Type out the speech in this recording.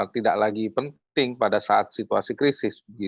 tidak lagi penting pada saat situasi krisis